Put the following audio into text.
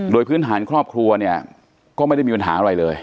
โดยพื้นฐานครอบครัวเนี่ยก็ไม่ได้มีปัญหาอะไรเลย